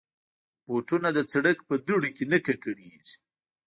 بوټونه د سړک په دوړو کې نه ککړېږي.